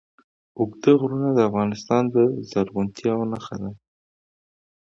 اوږده غرونه د افغانستان د زرغونتیا نښه ده.